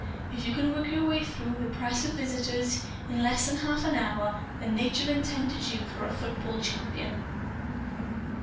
If you can work your way through the press of visitors in less than half an hour, then Nature intended you for a football champion.)